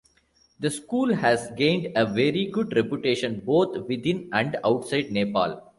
The school has gained a very good reputation both within and outside Nepal.